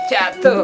aduh aduh aduh